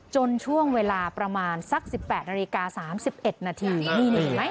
ช่วงเวลาประมาณสัก๑๘นาฬิกา๓๑นาทีนี่เห็นไหม